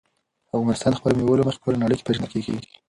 افغانستان د خپلو مېوو له مخې په ټوله نړۍ کې پېژندل کېږي.